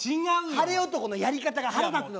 晴れ男のやり方が腹立つのは。